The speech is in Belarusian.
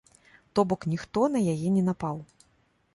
То бок, ніхто на яе не напаў.